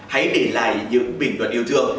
hãy để lại những bình luận yêu thương